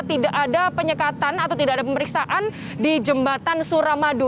tidak ada penyekatan atau tidak ada pemeriksaan di jembatan suramadu